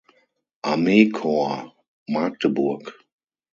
Armeekorps (Magdeburg).